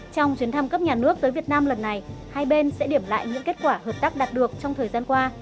trong chuyến thăm cấp nhà nước tới việt nam lần này hai bên sẽ điểm lại những kết quả hợp tác đạt được trong thời gian qua